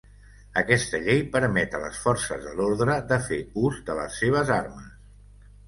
Aquesta llei permet a les forces de l'ordre de fer ús de les seves armes.